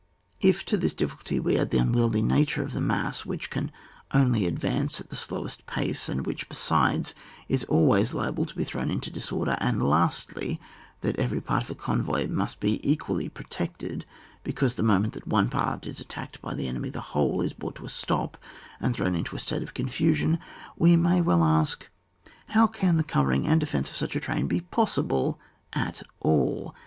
If to this diffi culty we add the unwieldy nature of tliia mass, which can only advance at the slowest pace, and which, besides, is al ways liable to be thrown into disorder, and lastly, that every part of a convoy must be equally protected, because the moment that one part is attacked by the enemy, the whole is brought to a stop, and thrown into a state of confusion, we may well ask, — how can the covering and defence of such a train be possible at all?